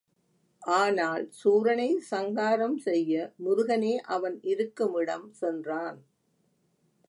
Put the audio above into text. ஆனால் சூரனைச் சங்காரம் செய்ய முருகனே அவன் இருக்குமிடம் சென்றான்.